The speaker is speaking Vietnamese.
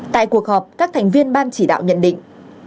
tại cuộc họp các thành viên ban chỉ đạo nhận định